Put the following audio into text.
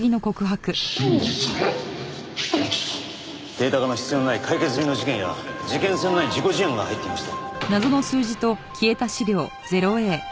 データ化の必要のない解決済みの事件や事件性のない事故事案が入っていました。